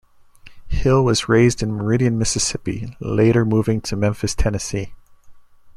Hill was raised in Meridian, Mississippi, later moving to Memphis, Tennessee.